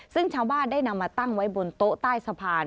ซึ่งชาวบ้านได้นำมาตั้งไว้บนโต๊ะใต้สะพาน